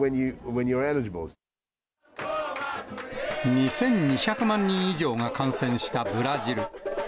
２２００万人以上が感染したブラジル。